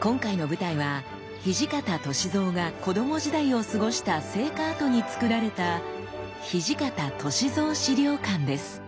今回の舞台は土方歳三が子ども時代を過ごした生家跡につくられた土方歳三資料館です。